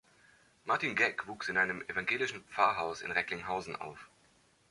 Martin Geck wuchs in einem evangelischen Pfarrhaus in Recklinghausen auf.